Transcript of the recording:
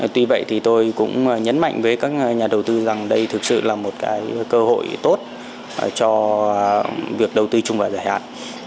tuy vậy tôi cũng nhấn mạnh với các nhà đầu tư rằng đây thực sự là một cơ hội tốt cho việc đầu tư trung vào giải hạn